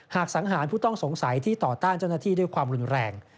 สังหารผู้ต้องสงสัยที่ต่อต้านเจ้าหน้าที่ด้วยความรุนแรง